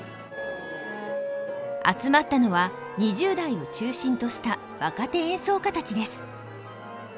集まったのは２０代を中心とした若手演奏家たちです。